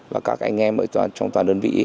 và các anh em ở trong toàn đơn vị